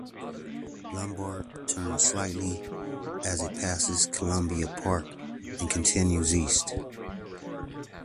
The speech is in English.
Lombard turns slightly as it passes Columbia Park and continues east.